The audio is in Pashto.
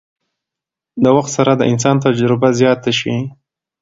د وخت سره د انسان تجربه زياته شي